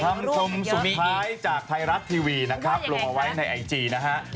คำชมสุดท้ายจากไทยรัฐทีวีนะครับลงเอาไว้ในไอจีนะฮะ